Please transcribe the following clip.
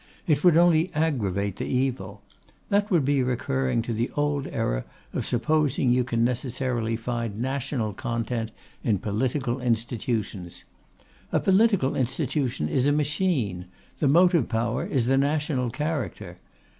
It would only aggravate the evil. That would be recurring to the old error of supposing you can necessarily find national content in political institutions. A political institution is a machine; the motive power is the national character.